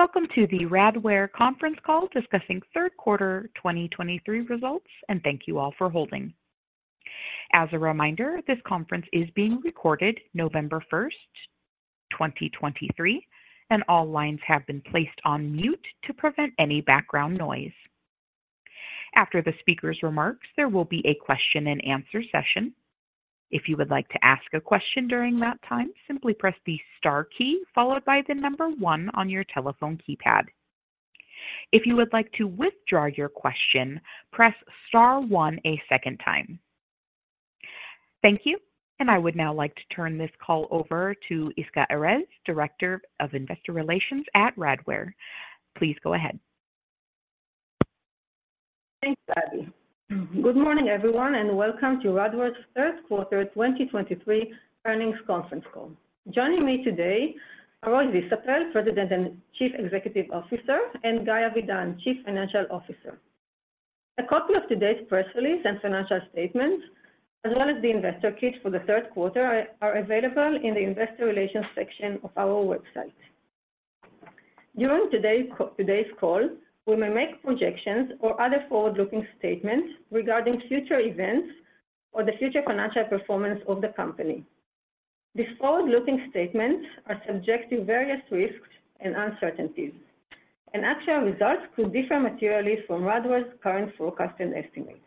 Welcome to the Radware Conference Call discussing Q3 2023 results, and thank you all for holding. As a reminder, this conference is being recorded November 1, 2023, and all lines have been placed on mute to prevent any background noise. After the speaker's remarks, there will be a question and answer session. If you would like to ask a question during that time, simply press the star key followed by the number one on your telephone keypad. If you would like to withdraw your question, press star one a second time. Thank you, and I would now like to turn this call over to Yisca Erez, Director of Investor Relations at Radware. Please go ahead. Thanks, Abby. Good morning, everyone, and welcome to Radware's Q3 2023 Earnings Conference Call. Joining me today are Roy Zisapel, President and Chief Executive Officer, and Guy Avidan, Chief Financial Officer. A copy of today's press release and financial statements, as well as the investor kit for the Q3, are available in the Investor Relations section of our website. During today's call, we may make projections or other forward-looking statements regarding future events or the future financial performance of the company. These forward-looking statements are subject to various risks and uncertainties, and actual results could differ materially from Radware's current forecast and estimates.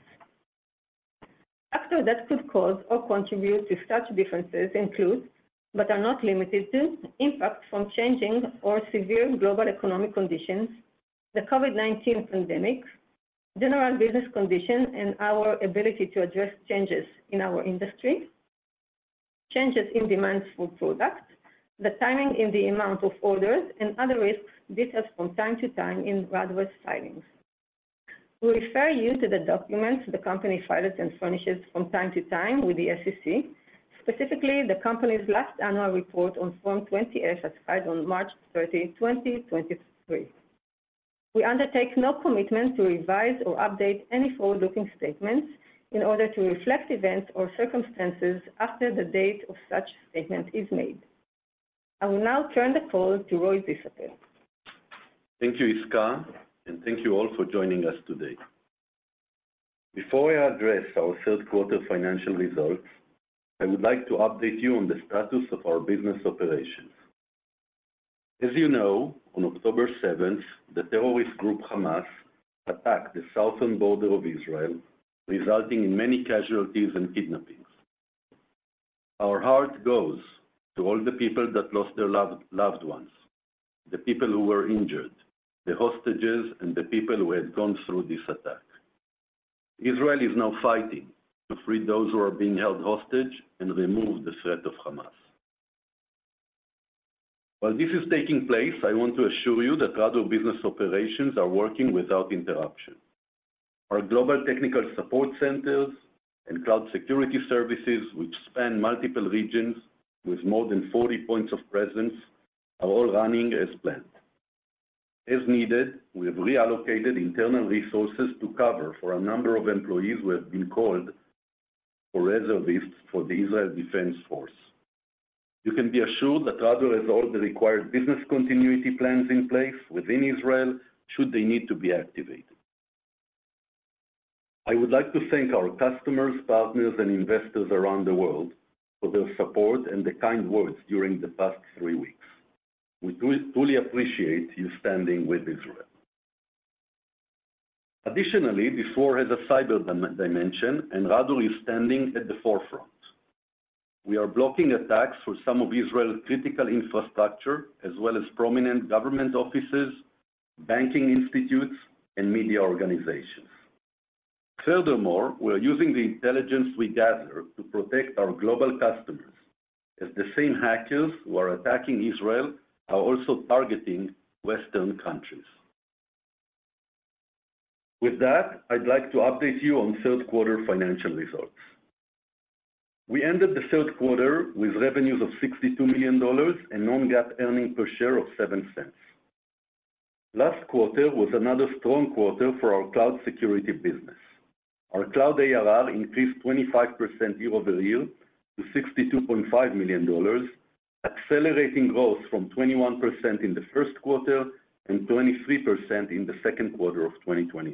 Factors that could cause or contribute to such differences include, but are not limited to, impacts from changing or severe global economic conditions, the COVID-19 pandemic, general business conditions, and our ability to address changes in our industry, changes in demand for products, the timing and the amount of orders, and other risks discussed from time to time in Radware's filings. We refer you to the documents the company files and furnishes from time to time with the SEC, specifically, the company's last annual report on Form 20-F as filed on March 13, 2023. We undertake no commitment to revise or update any forward-looking statements in order to reflect events or circumstances after the date of such statement is made. I will now turn the call to Roy Zisapel. Thank you, Yisca, and thank you all for joining us today. Before I address our Q3 financial results, I would like to update you on the status of our business operations. As you know, on October seventh, the terrorist group, Hamas, attacked the southern border of Israel, resulting in many casualties and kidnappings. Our heart goes to all the people that lost their loved, loved ones, the people who were injured, the hostages, and the people who have gone through this attack. Israel is now fighting to free those who are being held hostage and remove the threat of Hamas. While this is taking place, I want to assure you that Radware business operations are working without interruption. Our global technical support centers and cloud security services, which span multiple regions with more than 40 points of presence, are all running as planned. As needed, we have reallocated internal resources to cover for a number of employees who have been called for reservists for the Israel Defense Forces. You can be assured that Radware has all the required business continuity plans in place within Israel, should they need to be activated. I would like to thank our customers, partners and investors around the world for their support and the kind words during the past three weeks. We truly appreciate you standing with Israel. Additionally, this war has a cyber dimension, and Radware is standing at the forefront. We are blocking attacks for some of Israel's critical infrastructure, as well as prominent government offices, banking institutes, and media organizations. Furthermore, we are using the intelligence we gather to protect our global customers, as the same hackers who are attacking Israel are also targeting Western countries. With that, I'd like to update you on Q3 financial results. We ended the Q3 with revenues of $62 million and non-GAAP earnings per share of $0.07. Last quarter was another strong quarter for our cloud security business. Our cloud ARR increased 25% year-over-year to $62.5 million, accelerating growth from 21% in the Q1 and 23% in the Q2 of 2023.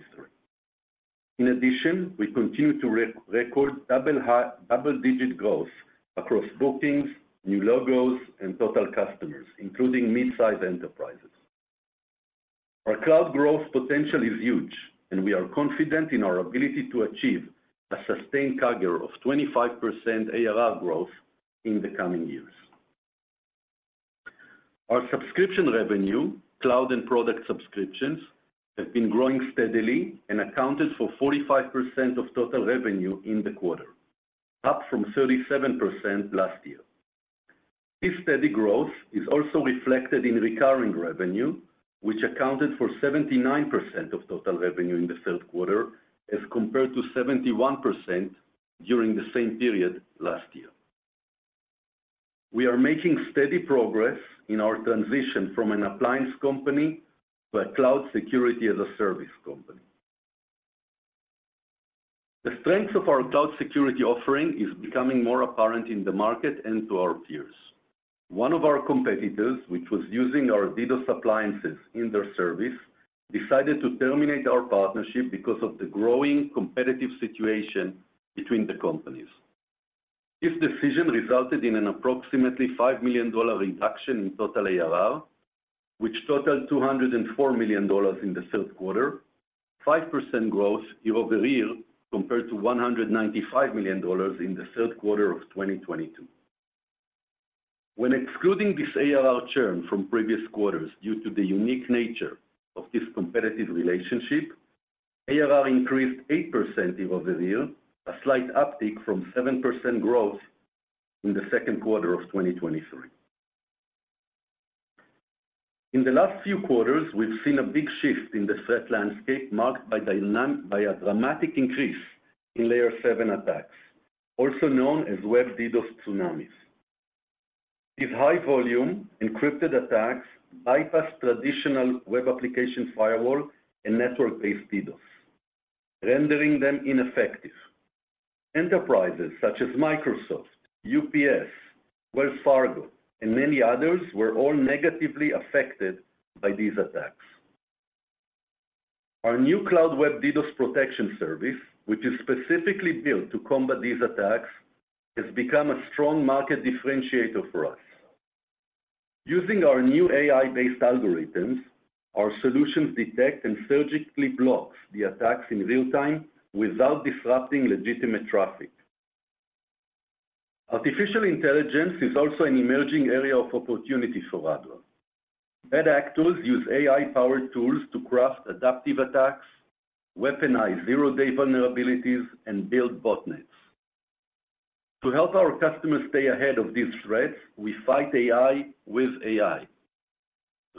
In addition, we continue to record double-digit growth across bookings, new logos, and total customers, including mid-size enterprises. Our cloud growth potential is huge, and we are confident in our ability to achieve a sustained CAGR of 25% ARR growth in the coming years. Our subscription revenue, cloud and product subscriptions, have been growing steadily and accounted for 45% of total revenue in the quarter, up from 37% last year. This steady growth is also reflected in recurring revenue, which accounted for 79% of total revenue in the Q3, as compared to 71% during the same period last year. We are making steady progress in our transition from an appliance company to a cloud security as a service company.... The strength of our cloud security offering is becoming more apparent in the market and to our peers. One of our competitors, which was using our DDoS appliances in their service, decided to terminate our partnership because of the growing competitive situation between the companies. This decision resulted in an approximately $5 million reduction in total ARR, which totaled $204 million in the Q3, 5% growth year-over-year, compared to $195 million in the Q3 of 2022. When excluding this ARR churn from previous quarters due to the unique nature of this competitive relationship, ARR increased 8% year-over-year, a slight uptick from 7% growth in the Q2 of 2023. In the last few quarters, we've seen a big shift in the threat landscape, marked by a dramatic increase in Layer seven attacks, also known as Web DDoS Tsunamis. These high-volume, encrypted attacks bypass traditional web application firewall and network-based DDoS, rendering them ineffective. Enterprises such as Microsoft, UPS, Wells Fargo, and many others, were all negatively affected by these attacks. Our new Cloud Web DDoS Protection service, which is specifically built to combat these attacks, has become a strong market differentiator for us. Using our new AI-based algorithms, our solutions detect and surgically block the attacks in real time without disrupting legitimate traffic. Artificial intelligence is also an emerging area of opportunity for Radware. Bad actors use AI-powered tools to craft adaptive attacks, weaponize zero-day vulnerabilities, and build botnets. To help our customers stay ahead of these threats, we fight AI with AI.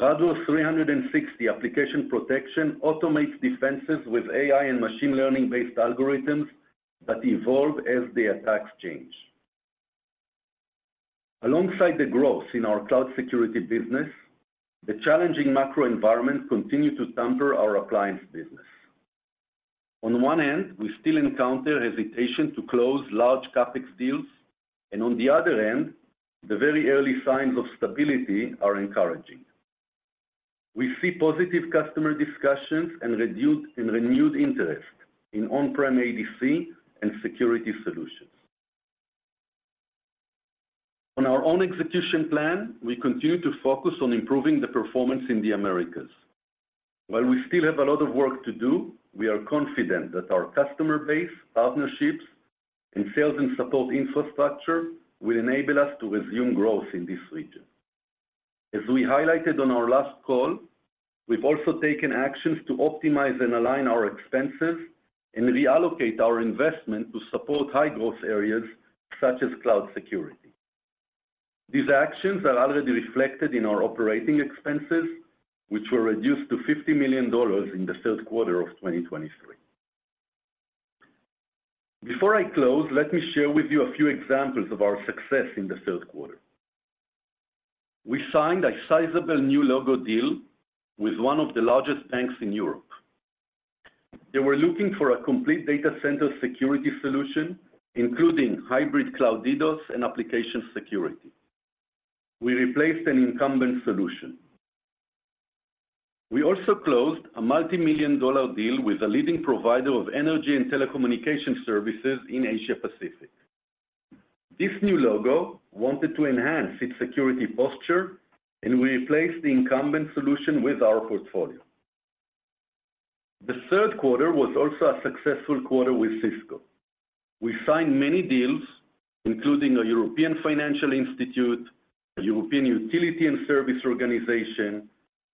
Radware 360 Application Protection automates defenses with AI and machine learning-based algorithms that evolve as the attacks change. Alongside the growth in our cloud security business, the challenging macro environment continue to temper our appliance business. On one hand, we still encounter hesitation to close large CapEx deals, and on the other hand, the very early signs of stability are encouraging. We see positive customer discussions and reduced and renewed interest in on-prem ADC and security solutions. On our own execution plan, we continue to focus on improving the performance in the Americas. While we still have a lot of work to do, we are confident that our customer base, partnerships, and sales and support infrastructure will enable us to resume growth in this region. As we highlighted on our last call, we've also taken actions to optimize and align our expenses and reallocate our investment to support high-growth areas, such as cloud security. These actions are already reflected in our operating expenses, which were reduced to $50 million in the Q3 of 2023. Before I close, let me share with you a few examples of our success in the Q3. We signed a sizable new logo deal with one of the largest banks in Europe. They were looking for a complete data center security solution, including hybrid cloud DDoS and application security. We replaced an incumbent solution. We also closed a $multi-million deal with a leading provider of energy and telecommunication services in Asia Pacific. This new logo wanted to enhance its security posture and we replaced the incumbent solution with our portfolio. The Q3 was also a successful quarter with Cisco. We signed many deals, including a European financial institute, a European utility and service organization,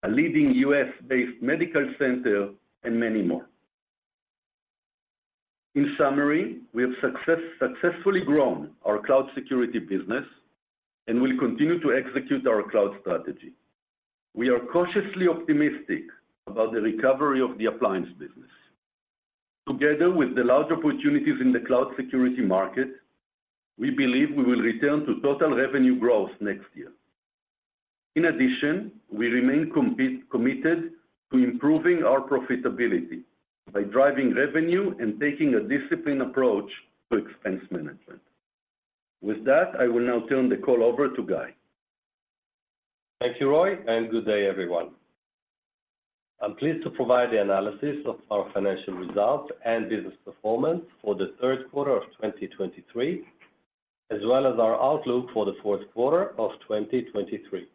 a leading U.S.-based medical center, and many more. In summary, we have successfully grown our cloud security business and will continue to execute our cloud strategy. We are cautiously optimistic about the recovery of the appliance business. Together with the large opportunities in the cloud security market, we believe we will return to total revenue growth next year. In addition, we remain committed to improving our profitability by driving revenue and taking a disciplined approach to expense management. With that, I will now turn the call over to Guy. Thank you, Roy, and good day, everyone. I'm pleased to provide the analysis of our financial results and business performance for the Q3 of 2023, as well as our outlook for the Q4 of 2023.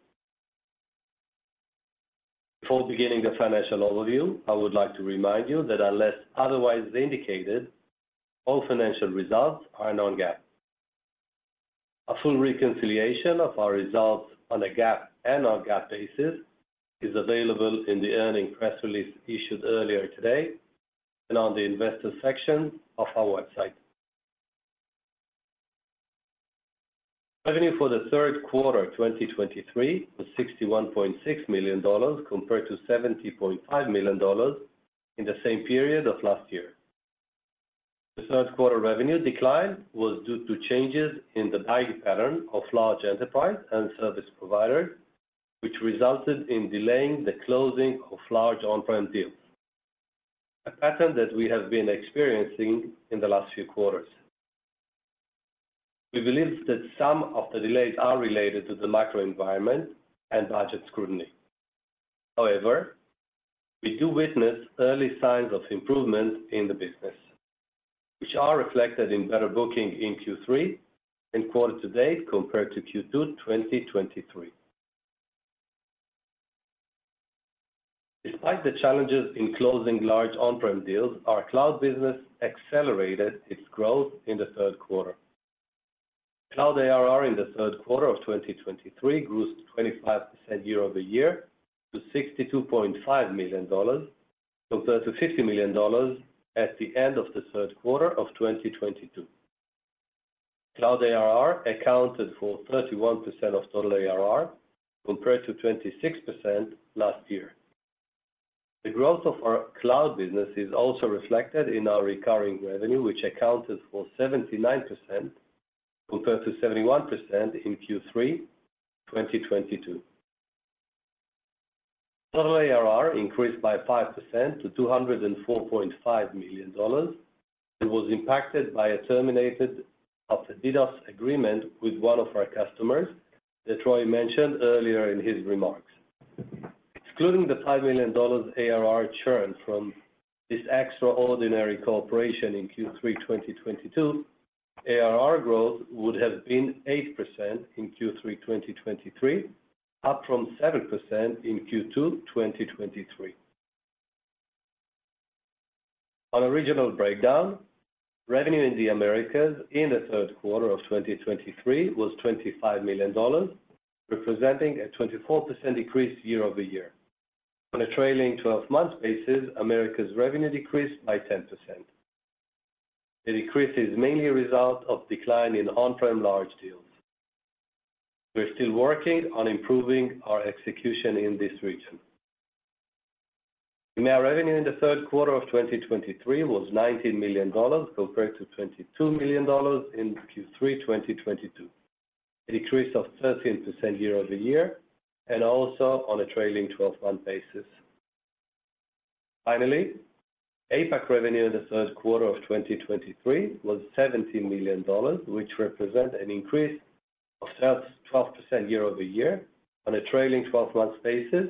Before beginning the financial overview, I would like to remind you that unless otherwise indicated, all financial results are non-GAAP. A full reconciliation of our results on a GAAP and non-GAAP basis is available in the earnings press release issued earlier today and on the investor section of our website. Revenue for the Q3 of 2023 was $61.6 million, compared to $70.5 million in the same period of last year. The Q3 revenue decline was due to changes in the buying pattern of large enterprise and service providers-... which resulted in delaying the closing of large on-prem deals, a pattern that we have been experiencing in the last few quarters. We believe that some of the delays are related to the macro environment and budget scrutiny. However, we do witness early signs of improvement in the business, which are reflected in better booking in Q3 and quarter to date, compared to Q2, 2023. Despite the challenges in closing large on-prem deals, our cloud business accelerated its growth in the Q3. Cloud ARR in the Q3 of 2023 grew 25% year-over-year to $62.5 million, compared to $50 million at the end of the Q3 of 2022. Cloud ARR accounted for 31% of total ARR, compared to 26% last year. The growth of our cloud business is also reflected in our recurring revenue, which accounted for 79%, compared to 71% in Q3 2022. Total ARR increased by 5% to $204.5 million. It was impacted by the termination of the DDoS agreement with one of our customers, that Roy mentioned earlier in his remarks. Excluding the $5 million ARR churn from this extraordinary cooperation in Q3 2022, ARR growth would have been 8% in Q3 2023, up from 7% in Q2 2023. On a regional breakdown, revenue in the Americas in the Q3 of 2023 was $25 million, representing a 24% decrease year-over-year. On a trailing twelve-month basis, Americas revenue decreased by 10%. The decrease is mainly a result of decline in on-prem large deals. We're still working on improving our execution in this region. EMEA revenue in the Q3 of 2023 was $19 million, compared to $22 million in Q3 2022, a decrease of 13% year-over-year, and also on a trailing 12-month basis. Finally, APAC revenue in the Q3 of 2023 was $17 million, which represent an increase of 12% year-over-year. On a trailing 12-month basis,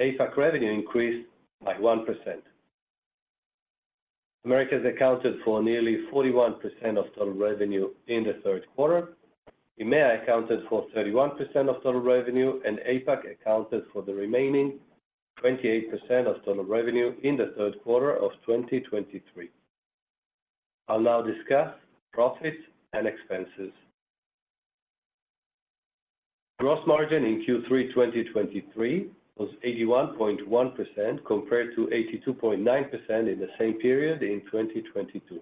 APAC revenue increased by 1%. Americas accounted for nearly 41% of total revenue in the Q3. EMEA accounted for 31% of total revenue, and APAC accounted for the remaining 28% of total revenue in the Q3 of 2023. I'll now discuss profits and expenses. Gross margin in Q3 2023 was 81.1%, compared to 82.9% in the same period in 2022.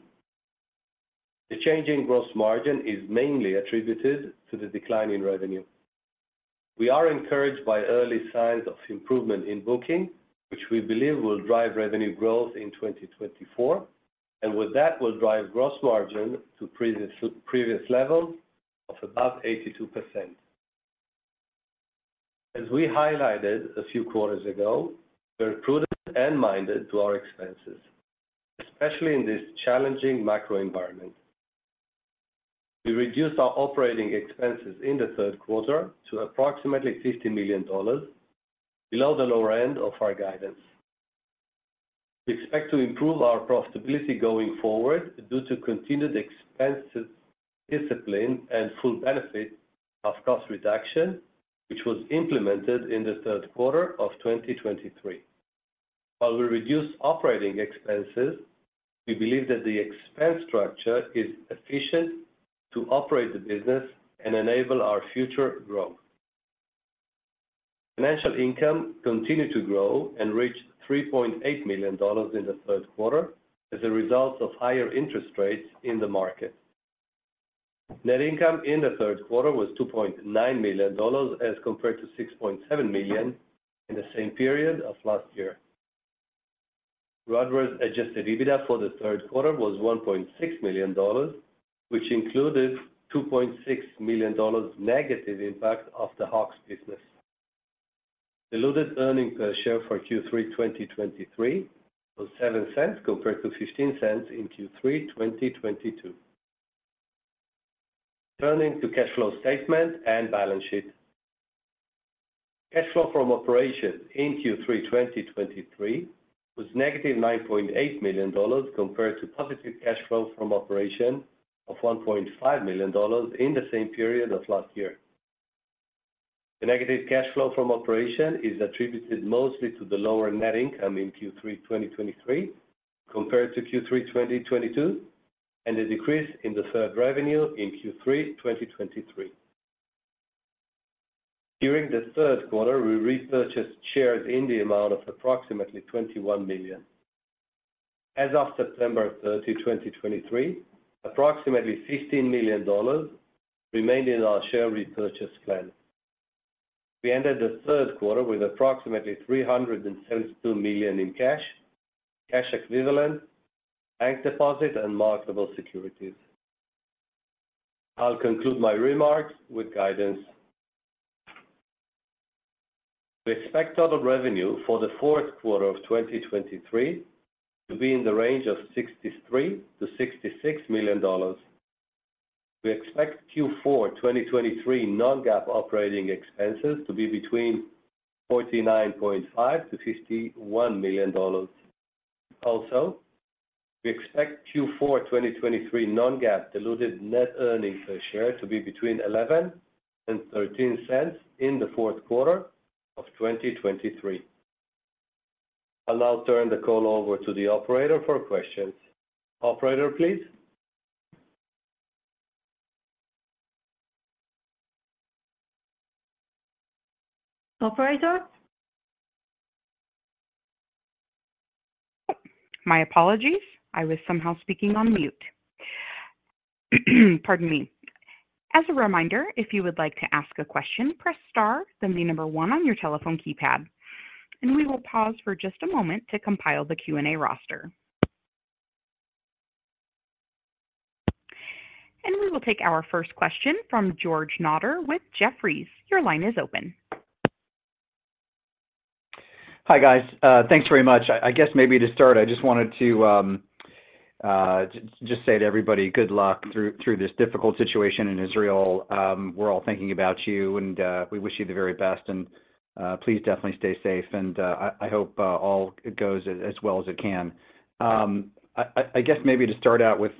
The change in gross margin is mainly attributed to the decline in revenue. We are encouraged by early signs of improvement in booking, which we believe will drive revenue growth in 2024, and with that, will drive gross margin to previous levels of about 82%. As we highlighted a few quarters ago, we're prudent and minded to our expenses, especially in this challenging macro environment. We reduced our operating expenses in the Q3 to approximately $50 million, below the lower end of our guidance. We expect to improve our profitability going forward due to continued expense discipline and full benefit of cost reduction, which was implemented in the Q3 of 2023. While we reduce operating expenses, we believe that the expense structure is efficient to operate the business and enable our future growth. Financial income continued to grow and reached $3.8 million in the Q3 as a result of higher interest rates in the market. Net income in the Q3 was $2.9 million, as compared to $6.7 million in the same period of last year. Radware's adjusted EBITDA for the Q3 was $1.6 million, which included $2.6 million negative impact of the war business. Diluted earnings per share for Q3 2023 was $0.07, compared to $0.15 in Q3 2022. Turning to cash flow statement and balance sheet. Cash flow from operations in Q3 2023 was negative $9.8 million, compared to positive cash flow from operations of $1.5 million in the same period of last year. The negative cash flow from operations is attributed mostly to the lower net income in Q3 2023, compared to Q3 2022, and a decrease in the deferred revenue in Q3 2023. During the Q3, we repurchased shares in the amount of approximately $21 million. As of September 30, 2023, approximately $15 million remained in our share repurchase plan. We ended the Q3 with approximately $372 million in cash, cash equivalents, bank deposits, and marketable securities.... I'll conclude my remarks with guidance. We expect total revenue for the Q4 of 2023 to be in the range of $63 million-$66 million. We expect Q4 2023 non-GAAP operating expenses to be between $49.5 million-$51 million. Also, we expect Q4 2023 non-GAAP diluted net earnings per share to be between $0.11 and $0.13 in the Q4 of 2023. I'll now turn the call over to the operator for questions. Operator, please? Operator? My apologies. I was somehow speaking on mute. Pardon me. As a reminder, if you would like to ask a question, press star, then the number one on your telephone keypad, and we will pause for just a moment to compile the Q&A roster. We will take our first question from George Notter with Jefferies. Your line is open. Hi, guys. Thanks very much. I guess maybe to start, I just wanted to just say to everybody, good luck through this difficult situation in Israel. We're all thinking about you, and we wish you the very best, and please definitely stay safe, and I guess maybe to start out with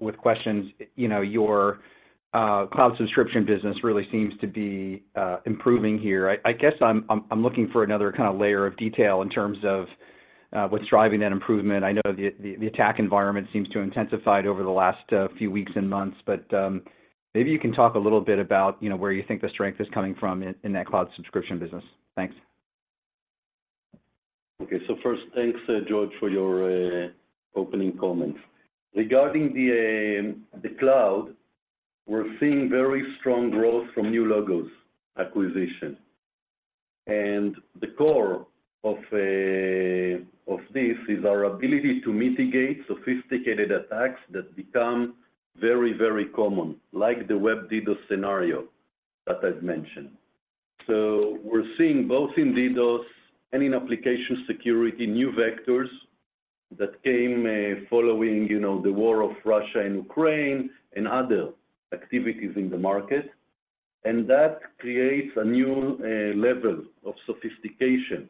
with questions, you know, your cloud subscription business really seems to be improving here. I guess I'm looking for another kind of layer of detail in terms of what's driving that improvement. I know the attack environment seems to have intensified over the last few weeks and months, but maybe you can talk a little bit about, you know, where you think the strength is coming from in that cloud subscription business. Thanks. Okay. So first, thanks, George, for your opening comments. Regarding the cloud, we're seeing very strong growth from new logos acquisition, and the core of this is our ability to mitigate sophisticated attacks that become very, very common, like the Web DDoS scenario that I've mentioned. So we're seeing both in DDoS and in application security, new vectors that came following, you know, the war of Russia and Ukraine and other activities in the market, and that creates a new level of sophistication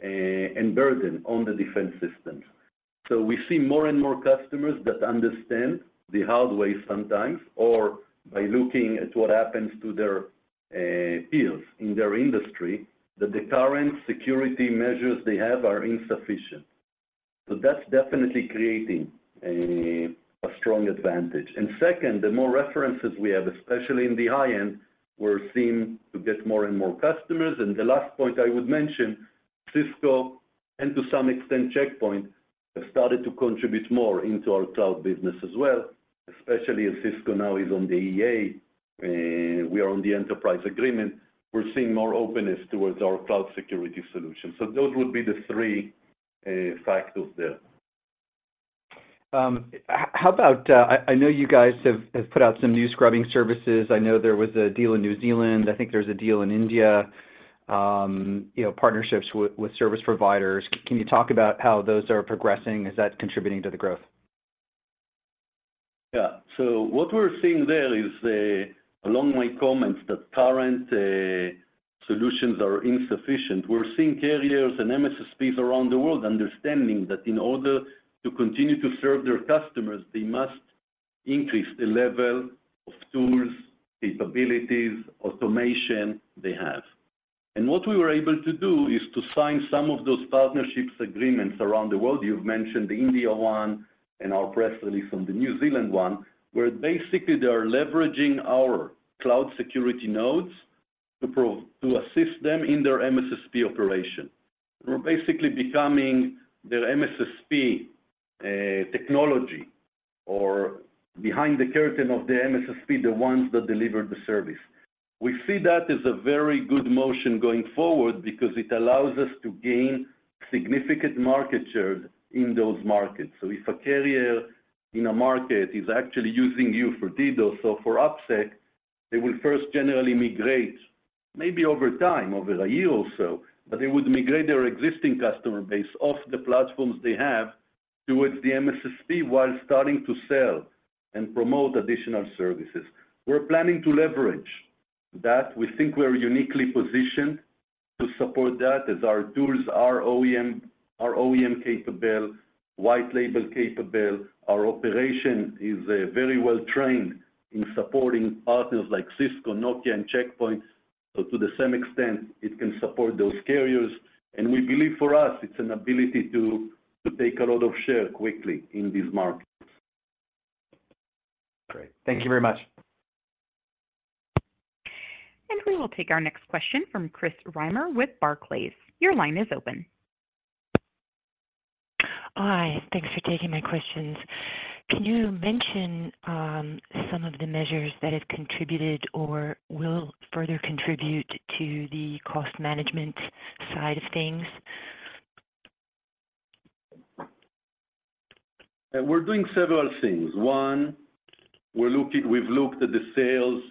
and burden on the defense systems. So we see more and more customers that understand the hard way sometimes, or by looking at what happens to their peers in their industry, that the current security measures they have are insufficient. So that's definitely creating a strong advantage. Second, the more references we have, especially in the high-end, we're seeing to get more and more customers. The last point I would mention, Cisco, and to some extent, Check Point, have started to contribute more into our cloud business as well, especially as Cisco now is on the EA, we are on the enterprise agreement. We're seeing more openness towards our cloud security solution. So those would be the three factors there. How about, I know you guys have put out some new scrubbing services. I know there was a deal in New Zealand. I think there's a deal in India, you know, partnerships with service providers. Can you talk about how those are progressing? Is that contributing to the growth? Yeah. So what we're seeing there is, along my comments, that current solutions are insufficient. We're seeing carriers and MSSPs around the world understanding that in order to continue to serve their customers, they must increase the level of tools, capabilities, automation they have. And what we were able to do is to sign some of those partnerships agreements around the world. You've mentioned the India one and our press release on the New Zealand one, where basically they are leveraging our cloud security nodes to assist them in their MSSP operation. We're basically becoming their MSSP technology or behind the curtain of the MSSP, the ones that deliver the service. We see that as a very good motion going forward because it allows us to gain significant market share in those markets. So if a carrier in a market is actually using you for DDoS or for OPSEC, they will first generally migrate, maybe over time, over a year or so, but they would migrate their existing customer base off the platforms they have towards the MSSP while starting to sell and promote additional services. We're planning to leverage that. We think we are uniquely positioned to support that, as our tools are OEM, are OEM-capable, white label-capable. Our operation is very well trained in supporting partners like Cisco, Nokia, and Checkpoint. So to the same extent, it can support those carriers, and we believe for us, it's an ability to take a lot of share quickly in these markets. Great. Thank you very much. We will take our next question from Chris Reimer with Barclays. Your line is open. Hi, thanks for taking my questions. Can you mention, some of the measures that have contributed or will further contribute to the cost management side of things? We're doing several things. One, we've looked at the sales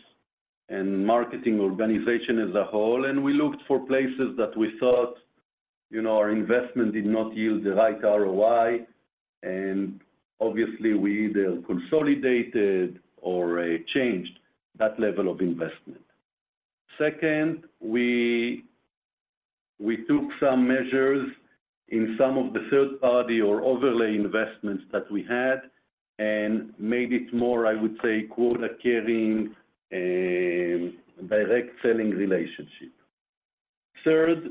and marketing organization as a whole, and we looked for places that we thought, you know, our investment did not yield the right ROI, and obviously, we either consolidated or changed that level of investment. Second, we took some measures in some of the third-party or overlay investments that we had and made it more, I would say, quota-carrying direct selling relationship. Third,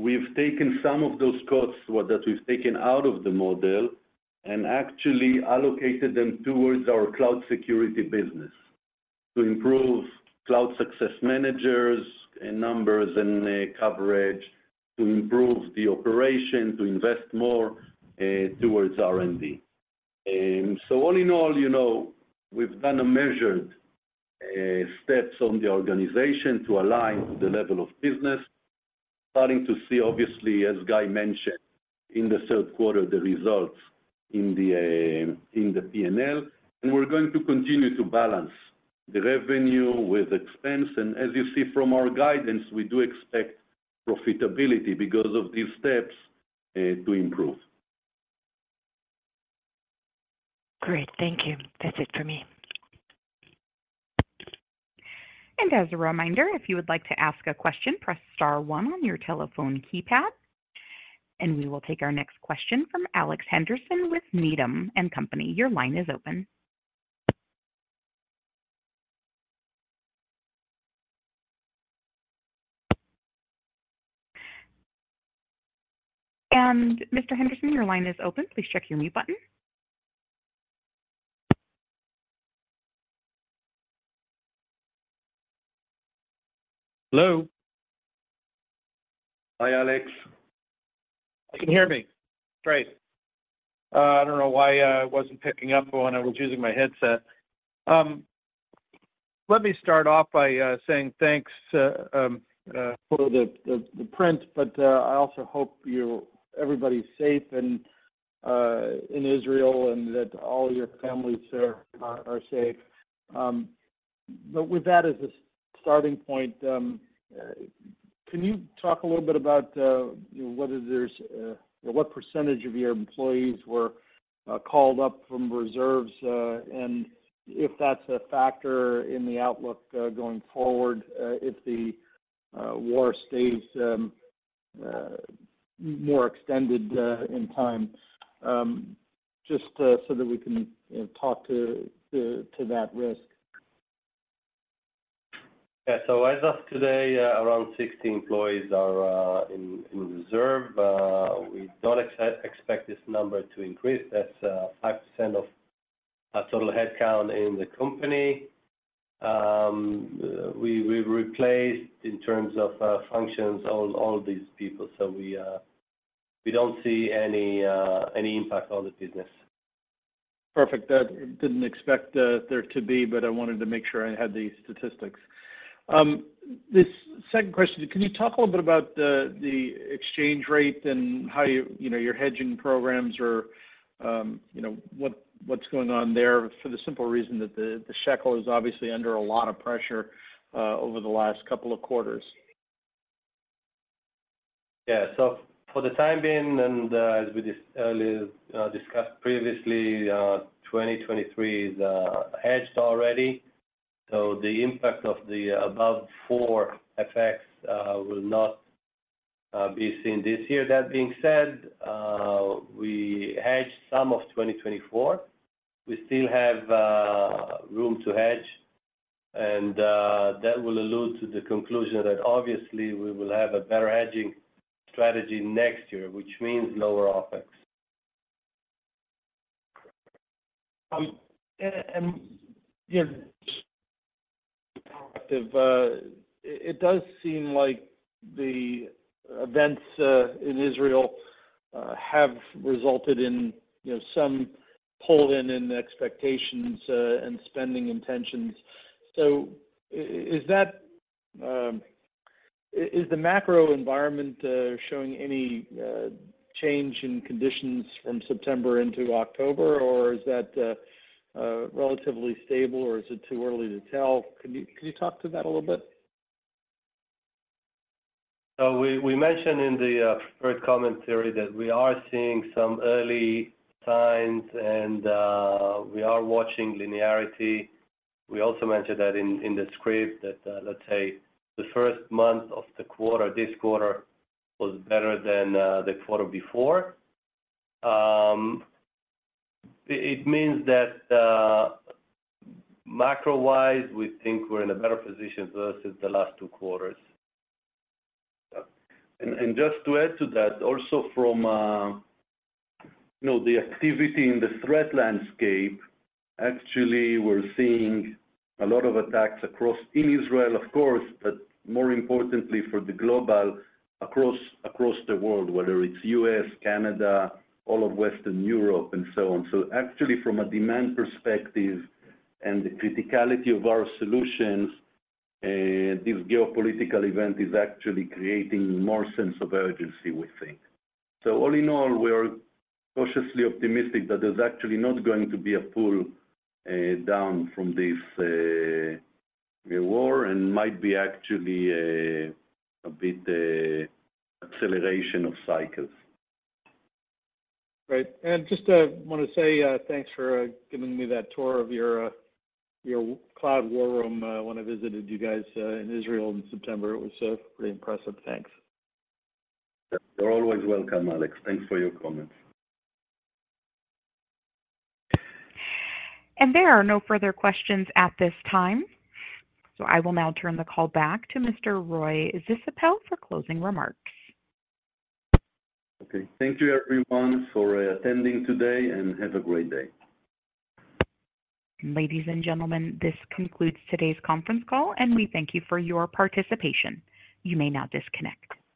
we've taken some of those costs that we've taken out of the model and actually allocated them towards our cloud security business to improve cloud success managers and numbers and coverage, to improve the operation, to invest more towards R&D. So all in all, you know, we've done a measured steps on the organization to align the level of business. Starting to see, obviously, as Guy mentioned, in the Q3, the results in the P&L. We're going to continue to balance the revenue with expense, and as you see from our guidance, we do expect profitability because of these steps to improve. Great. Thank you. That's it for me. As a reminder, if you would like to ask a question, press star one on your telephone keypad. We will take our next question from Alex Henderson with Needham & Company. Your line is open. Mr. Henderson, your line is open. Please check your mute button. Hello? Hi, Alex. You can hear me? Great. I don't know why it wasn't picking up when I was using my headset. Let me start off by saying thanks for the print, but I also hope you-- everybody's safe and in Israel, and that all your families there are safe. But with that as a starting point, can you talk a little bit about you know, whether there's... Or what percentage of your employees were called up from reserves, and if that's a factor in the outlook going forward, if the war stays more extended in time? Just so that we can you know, talk to that risk. Yeah. So as of today, around 60 employees are in reserve. We don't expect this number to increase. That's 5% of our total headcount in the company. We've replaced, in terms of functions, all these people, so we don't see any impact on the business. Perfect. I didn't expect there to be, but I wanted to make sure I had the statistics. This second question: Can you talk a little bit about the exchange rate and how you, you know, your hedging programs or, you know, what's going on there? For the simple reason that the shekel is obviously under a lot of pressure over the last couple of quarters. Yeah. So for the time being, and, as we just earlier discussed previously, 2023 is hedged already, so the impact of the above four effects will not be seen this year. That being said, we hedged some of 2024. We still have room to hedge, and that will allude to the conclusion that obviously, we will have a better hedging strategy next year, which means lower CapEx. And you know, it does seem like the events in Israel have resulted in, you know, some pull-in in expectations and spending intentions. So is that the macro environment showing any change in conditions from September into October, or is that relatively stable, or is it too early to tell? Can you talk to that a little bit? So we mentioned in the first commentary that we are seeing some early signs, and we are watching linearity. We also mentioned that in the script, that let's say, the first month of the quarter, this quarter, was better than the quarter before. It means that macro-wise, we think we're in a better position versus the last two quarters. And just to add to that, also from you know, the activity in the threat landscape, actually, we're seeing a lot of attacks across in Israel, of course, but more importantly for the global across the world, whether it's U.S., Canada, all of Western Europe, and so on. So actually, from a demand perspective and the criticality of our solutions, this geopolitical event is actually creating more sense of urgency, we think. So all in all, we are cautiously optimistic that there's actually not going to be a pull down from this war and might be actually a bit acceleration of cycles. Great. Just want to say thanks for giving me that tour of your cloud war room when I visited you guys in Israel in September. It was pretty impressive. Thanks. You're always welcome, Alex. Thanks for your comments. There are no further questions at this time, so I will now turn the call back to Mr. Roy Zisapel for closing remarks. Okay. Thank you, everyone, for attending today, and have a great day. Ladies and gentlemen, this concludes today's conference call, and we thank you for your participation. You may now disconnect.